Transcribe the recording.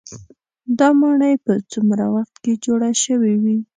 دا ماڼۍ په څومره وخت کې جوړې شوې وي.